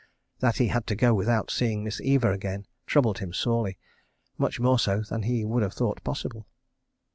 That he had to go without seeing Miss Eva again troubled him sorely, much more so than he would have thought possible.